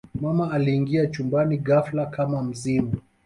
mama aliingia chumbani ghafla kama mzimu